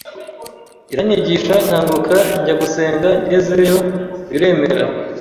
iranyigisha nkanguka njya gusenga ngezeyo biremera